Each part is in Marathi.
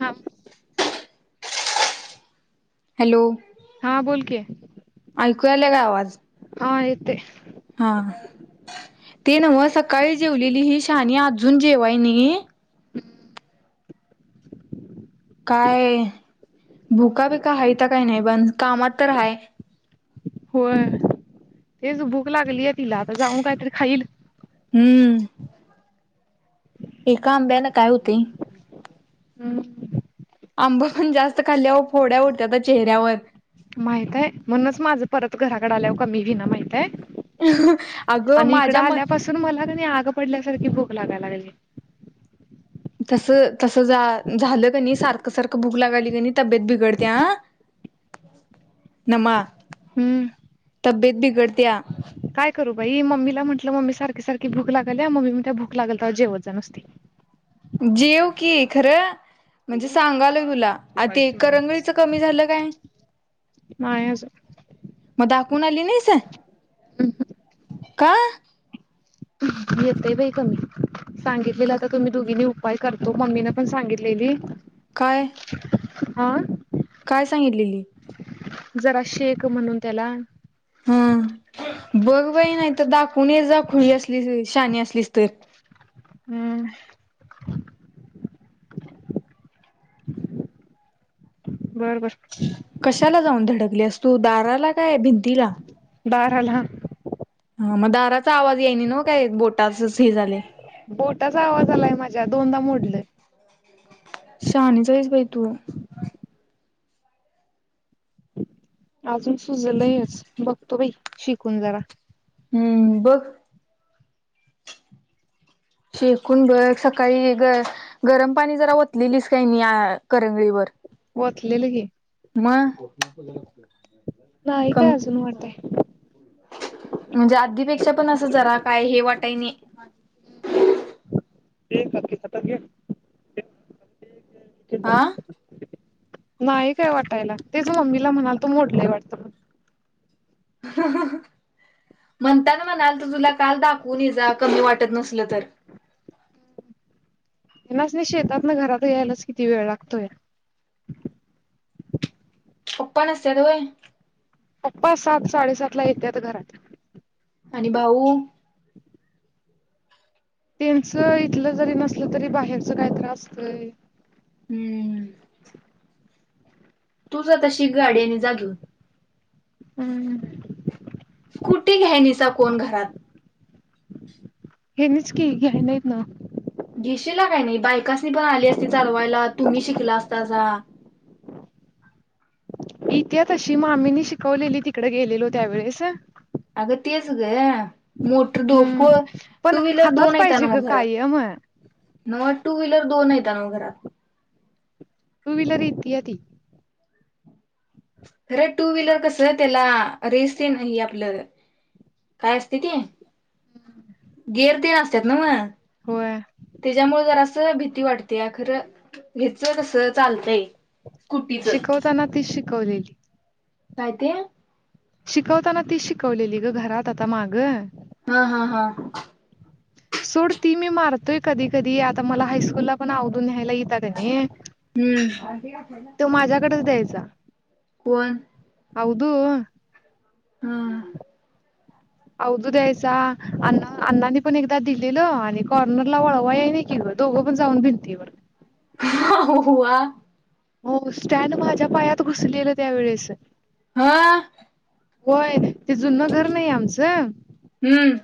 थांब हॅलो हा बोल की ऐकू यालाय काय आवाज हा येते. हा ते नव्ह सकाळी जेवलेली ही शहानी अजून जेवाय निये काय भूका बी का हायत्या काही नाही बण कामात तर हाय... होय तेच भूक लागलीय तिला आता जाऊन कायतरी खाईल.... हम्म एका आंब्यान काय हुतय.. आंबा पण जास्त खाल्ल्यावर फोड्या उठत्यात अ चेहऱ्यावर... माहितय म्हणूनच माझं परत घराकड आल्याव कमी केलं माहितय. अगं आणि इकड माझ्या म आल्यापासून मला क आग पडल्यासारखी भूक लागायला लागेल.... ह [unintelligible] तस तस झालं क नाही सारखं सारखं भूक लागाली क तब्येत बिघडते ह.... [unintelligible] नमा हम तब्येत बिघडत्या... काय करू बाई मम्मीला म्हटलं मम्मी सारखी सारखी भूक लागल्या मम्मी म त्या भूक लागल तवा जेवत जा नुसती... जेव की खरं म्हणजे सांगालोय..... तुला आते करंगळीच कमी झालं काय... नाही अजून. मग दाखवून आली नाहीस हम्म का? येतय बाई कमी... सांगितलेलं आता तुम्ही दोघीनी उपाय करतो मम्मीने पण सांगितलेली..... काय? हा [unintelligible] काय सांगितलेली. जरा शेक म्हणून त्याला.... हम्म बघ बाई नाही तर दाखवून येजा खुळी असलीस शानी असलीस तर... हम्म बर बर.... लागली अस तू दाराला काय भिंतीला.... दाराला... हा मग दाराचा आवाज याणे न काय बोटाचच हे झाले.. बोटाचा आवाज आलाय माझ्या दोनदा मोडल. शहानीच आहेस बाई तू.. अजून सुजलयच बघतो बाई शिकून जरा... हम्म बघ... शेकून बघ सकाळी ग गरम पाणी जरा ओतलेलीस काय नाही या करंगळीवर... वतलेलं की... म... नाही काय अजून वाटाय म्हणजे आधीपेक्षा पण असं जरा काय हे वाटाय नाही... एक घ आ नाही काय वाटायला.. तेच मम्मीला म्हणालतो मोडलंय वाटतं म.... ह.. म्हणताना म्हणालतो तुला काल दाखवून येजा कमी वाटत नसल तर.. हम्... हेनासनी शेतात न घरात यायलाच किती वेळ लागतोय. पपा नसत्यात वय पप्पा सात साडेसात ला येत्यात घरात... आणि भाऊ... त्यांच इथलं जरी नसल तरी बाहेरच काय त्रास असतय. हम्म. तुझं तशी गाड्यानी घेऊन.. हम्म.. ती घ्याय नाहीसा कोण घरात... हेनीच की घ्याय नाहीत नव्हं. घेशीला काय नाही बायकासनी पण आली असती चालवायला तुम्ही शिकला असतासा. इत्या तशी मामींनी शिकवलेली तिकडे गेलेलो त्यावेेळेस अगं तेच गं. मोट हम्म डोकं पण टू व्हीलर हातात दोन आहेता पाहिजे ग नव्हं घरात कायम नव्हं टू व्हीलर दोन हायता नव्हं घरात टू व्हीलर येतीया ती. अरे टू व्हीलर कसं त्याला रेस ते नाही आपलं काय असते ते गेर तेन असत्यात नव्हं. होय त्याच्यामुळं जरासं भीती वाटत्या अ खरं हेचं कसं चालतंय. स्कुटीच शिकवताना ती शिकवते काय ते? शिकवताना ती शिकवलेली गं घरात आता मागं. हा हा हा. सोड ती मी मारतोय कधी कधी आता मला हायस्कूलला पण अवधू न्यायला ई ता कनी. हम्म तो माझ्याकडेच द्यायचा. कोण? आवदु. हम्म. अवधू द्यायचा अण अण्णांनी पण एकदा दिलेल आणि कॉर्नरला वळवा या नाही कि गं. दोघं पण जाऊन भिंतीवर. आव्वा. हो स्टँड माझ्या पायात घुसलेलं त्यावेेळेस हा. होय ते जुनं घर नाही आमचं हम्म.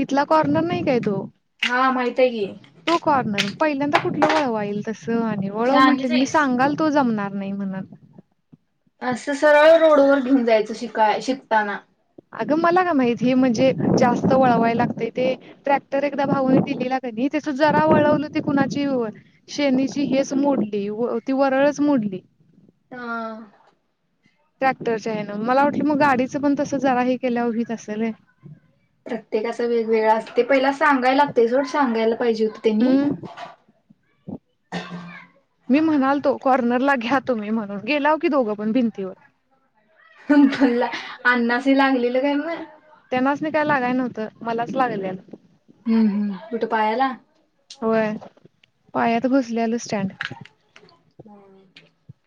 तिथंला कॉर्नर नाही काय तो. हा माहित आहे की तो कॉर्नर पहिल्यांदा कुठलं वळवाय येईल तसं आणि वळवं म्हटले शहाणीच मी आहेस सांगालतो जमणार नाही म्हणत. असं सरळ रोडवर घेऊन जायचं शिकाय शिकताना. अगं मला का माहिती हे म्हणजे जास्त वळवायला लागतंय ते ट्रॅक्टर एकदा भाऊनं दिलेला कनी की त्याच जरा वळवल ती कुणाची शेनीची हेच मोडली ती वरळच मोडली. हा. ट्रॅक्टरच्या हेनं मला वाटलं मग गाडीचं पण तस जरा हे केल्याव व्हीत असंल. प्रत्येकाचा वेगवेगळा असते पहिला सांगाय लागतंय गं सांगायला पाहिजे होत त्यांनी. हम्म मी म्हणालतो कॉर्नरला घ्या तुम्ही म्हणून गेलाव की दोघंपण भिंतीवर. हम्म फला अण्णासनी लागलेलं काय मग? त्यांनासनी काय लागाय नव्हतं मलाच लागलेलं. हम्म हम्म कुठं पायाला. होय पायात घुसल्यालचं. [unintelligible]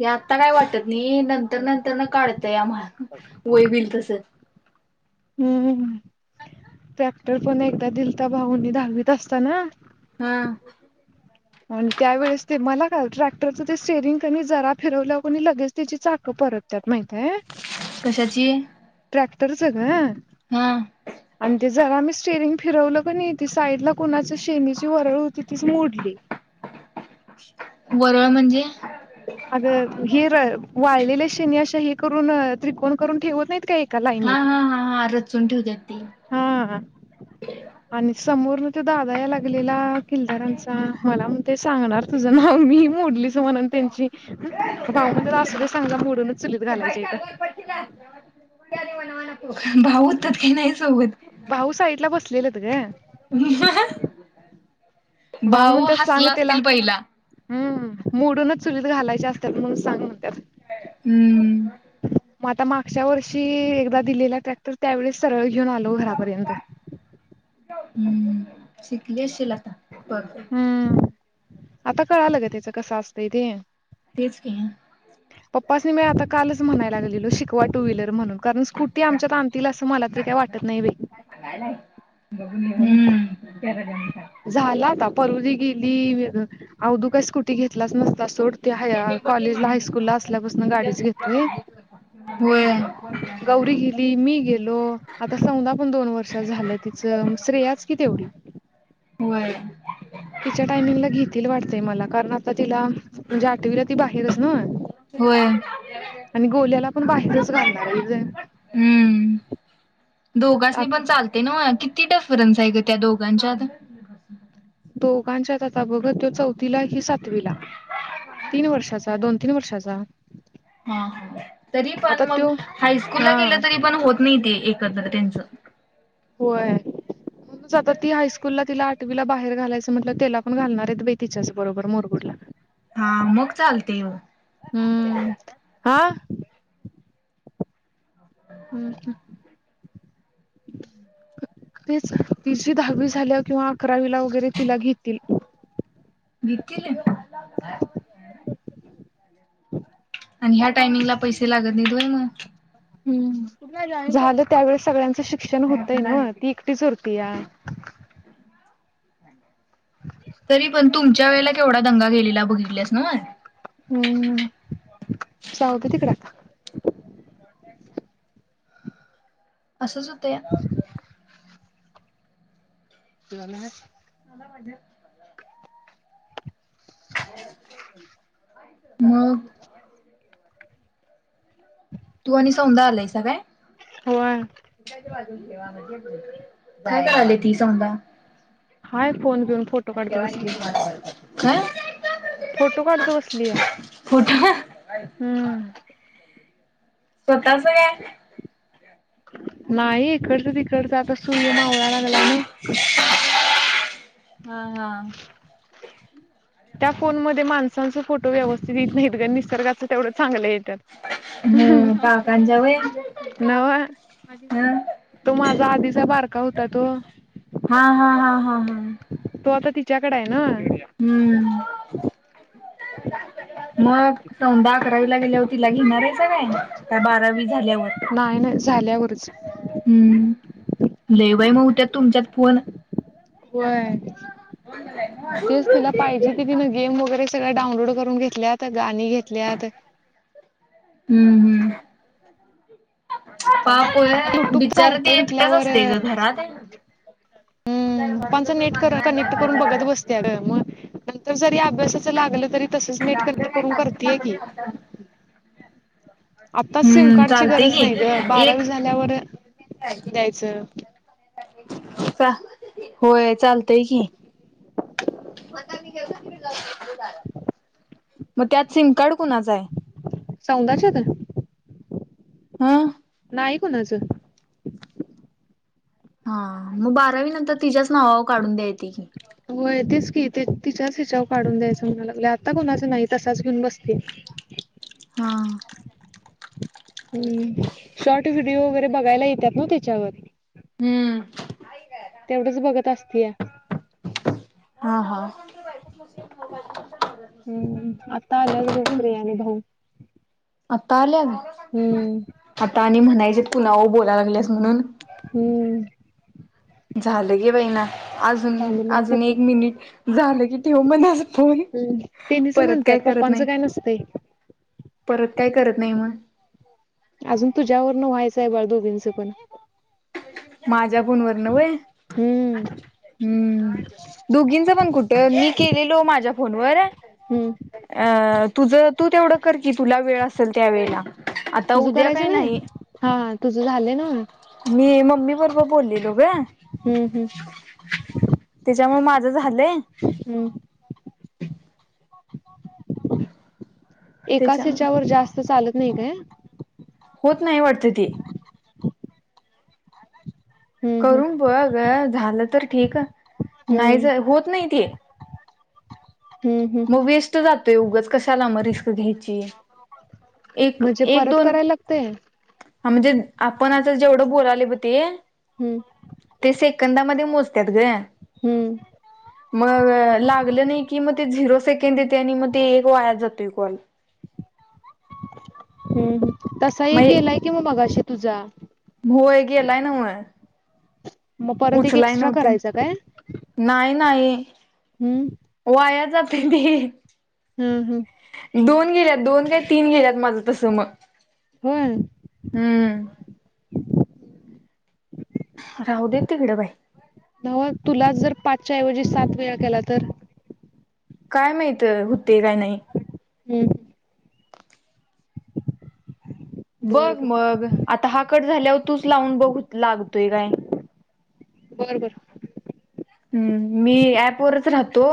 ते आता काय वाटत नाही नंतर नंतर न काढतया मा वय व्हिल तसं. हम्म ट्रॅक्टर पण एकदा दिलता भाऊनी दाहावीत असताना हम. आणि त्यावेेळेस ते मला का ट्रॅक्टरचं ते स्टेरिंग कणी जरा फिरवल्यावर कणी लगेच त्याची चाक. परत्यात माहिताय कशाची? ट्रॅक्टरच ग. हा आणि ते जरा मी स स्टेरिंग फिरवलं कणी, ती साईड ला कुणाची शेनीची वरळ होती तीच मोडली. वरळ म्हणजे? अग हे वाळलेले शनी अशा हे करून त्रिकोण करून ठेवत नाहीत काय. का हा लाईनत, हा हा हा रचून ठेवतात ती. हा हा आणि समोर. तो दादा या लागलेला किलदारांचा, मला म्हणतोय सांगणार तुझं नाव मी मोडलीच म्हणून त्यांची. भाऊ म्हणत्यात असू दे सांगा जा मोडूनच चुलीत घालायची अहिता. भाऊ हुत्यात कणी नाही सोबत. भाऊ साईड ला बसलेलत ग. भाऊ म्हणतात सांग हसला त्याला असतील पहिला. हम्म मोडूनच चुलीत घालायचे असतात म्हणून सांग म्हणतात. हम्म. मग आता मागच्या वर्षी एकदा दिलेला ट्रॅक्टर त्यावेळेस सरळ. घेऊन आलो घरापर्यंत. हम्म शिकली अशिल आता बग. हम्म आता कळालं ग त्याच कस असतय ते. तेच की पप्पासनी मी आता कालच म्हणायला लागलेलो शिकवा टू व्हीलर म्हणून. कारण स्कूटी आमच्यात आणतील असं मला तरी काही वाटत नाही बाई. हम्म. पलू दी गेली वेगळी कड अवधू काय स्कुटी घेतलाच न सोड कॉलेज ला हायस्कूल ला असल्यापासून गाडीच घेतोय. होय. गौरी गेली मी गेलो आता सौंदा पण दोन वर्षात झालं तिचं मग श्रेयाच कि तेवढी. [inaudible] होय. तिच्या टायमिंगला घेतील वाटतय मला, कारण आता तिला म्हणजे आठवीला ती बाहेरच नव. होय. आणि गोल्याला पण बाहेरच घालणार आहेत दोघांच्सनी पण चालतय नव्ह किती डिफरन्स आहे ग त्या दोघांच्यात. दोघांच्या आता बघ तो चौथीला ति सातवीला तीन वर्षाचा दोन. तिन वर्षाचा. हा ह तरी आता पण मग तो हायस्कूलला हा गेलं तरी पण होत नाही ते एकत्र त्यांचं. होय म्हणून आता ती हायस्कूल ला तिला. आठवीला बाहेर घालायचं म्हटलं, तेला पण घालणार आहेत बाई तिच्याच बरोबर मुरगुडला. हा मग चालतय. हम्म हा. हम्. हम्म. तेच तिची दहावी झाल्या किंवा अकरावीला वगैरे तिला घेतील. [unintelligible] आणि ह्या टाइमिंगला पैसे लागत नाहीत होय मग. ह झालं त्यावेळेस सगळ्यांच श शिक्षण होतय नव्ह ती एकटीच उतरत्या. तरी पण तुमच्या वेळेला केवढा दंगा गेलेला बघितल्यास नव्ह. हम्म जाऊत तिकड आता. असंच होतं या. [unintelligible] म्हणजे? मग. तू आणि सौधा आलायस काय. होय कायला आली ती सौंदा हाय फोन घेऊन फोटो काढत बसली हं. फोटो काढत बसलया फोटो हम्म स्वतःच काय नाही इकडचं तिकडचं आता सुय मावळा लागलाय ना. हा हा त्या फोन मध्ये माणसांच फोटो व्यवस्थित येत नाहीत ग निसर्गाच तेवढं चांगलं येत्यात. हम्म काकांच्या वय हा [unintelligible] तो माझा आधीचा बारका होता तो. हा हा हा तो आता तिच्याकड आहे ना. हम्म मग सौंधा अकरावीला गेल्यावर तिला घेणार आहे सा काय? का बारावी झाल्यावर. नाही नाही झाल्यावरच. हम्म लय बाई महु त्यात तुमच्यात. फोन. होय. तेच तिला पाहिजे ते तिने गेम वगैरे सगळ डाउनलोड करून घेतल्यात. गाणी घेतल्यात. हम्म हम्म पापय युट्यूब बिचार चालतंय ते एकटच म्हटल्यावर असतेय ग घरात. पप्पांच नेट कनेक्ट करून बघत बसत्या ग मग [unintelligible] नंतर जरी अभ्यासाचं लागलं तरी तसच नेट कनेक्ट करून करतेय की. आता सिम हम्म कार्डची चालतय गरज नाही ग की एक बारावी झाल्यावर द्यायचं. [inaudible] होय चालतय की [unintelligible] मग त्यात सिम कार्ड कोणाचं आहे. सौंदच्या त ह नाही कुणाचं हा मग बारावी नंतर तिच्याच नावावर काढून द्यायती की. हो तेच की तिच्याच हिच्यावर काढून द्यायचं म्हणा लागले. आता कोणाचा नाही तसाच घेऊन बसते. [inaudible] हां हम्म शॉर्ट व्हिडीओ वगैरे बघायला येतात ना त्याच्यावर. हम्म तेवढंच बघत असतीया. हा हा हम्म आता आल्या बोसरे अणि भाऊ. आता आल्या. हम्म म्हणायचे कुणाव बोला लागलेस. हम्म झालं की बाई ना अजून थांबल्यात अजून तिथं. एक मिनिट झालं की ठेव म्हणास पोरी. त्यांनीच म्हणतात. पप्पांचं काय नसतंय. परत काय करत नाही मग. आहे बाळ दोघींचं पण. माझ्या फोनवरन वय. हम्म हम्म दोघींच पण कुठं मी केलेलो माझ्या फोनवर. हम्म अ तुझ तू तेवढं कर कि तुला वेळ असेल त्या वेळेला आता तुझं उद्या करायचं काही नाही हा तुझ झालं ना मी मम्मी बरोबर बोललेलो ग हम्म हम्म त्याच्यामुळे माझ झालं हम्म एकाच त्याच्या ह्याच्यावर जास्त चालत नाही काय होत नाही वाटते तेी हम्म हम्म करून ब ग झालं तर ठीक नाहीच हम्म होत नाही ते हम्म हम्म मग वेस्ट जातोवगंच कसा ला म रिस्क घ्यायची एक म्हणजे एक परत दोन करायला लागतय हा म्हणजे आपण आता जेवढं बोलाले ब ते हम्म सेकादा मोजत ग हम्म म लागलं नाही की म झिरो सेकंड देते आणि मग ते एक वाया जातोय कॉल हम्म तसा मग एक गेलाय कि मग असे तुझा होय गेलाय नव [inaudible] एक उचलाय एक्स्ट्रा नव्हते करायचा काय नाही नाही हम्म वया जात ते हम्म हम्म दोन गेल्यात दोन काय तीन गेल्यात माझं तसं मग हो हम्म राहू देेत तिकडें बाई नव तुला जर पाचच्या ऐवजी सात वेळा केला तर काय माहित होते काय नाही हम्म बघ मग आता हा कट झाल्यावर तूच लावून बघ लागतोय काय बर बर हम्म मी ऍपवरच राहतो